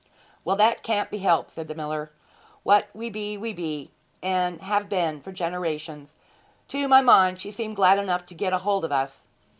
'Well, that can't be helped,' said the miller. 'What we be, we be, and have been for generations. To my mind she seemed glad enough to get hold of us!'